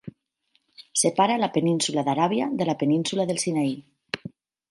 Separa la península d'Aràbia de la península del Sinaí.